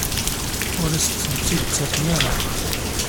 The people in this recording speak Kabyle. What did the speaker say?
Ur asen-ten-id-ttaken ara?